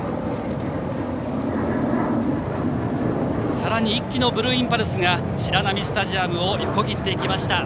さらに１機のブルーインパルスが白波スタジアムを横切っていきました。